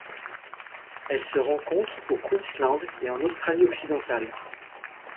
Elles se rencontrent au Queensland et en Australie-Occidentale.